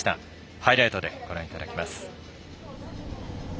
ハイライトでご覧いただきます。